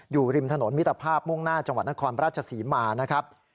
อยู่ริมถนนมิตรภาพมุ่งหน้าจังหวัดนครราชศรีมานะครับ